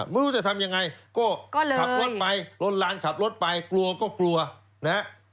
ไม่รู้จะทำยังไงก็ขับรถไปลนลานขับรถไปกลัวก็กลัวนะฮะ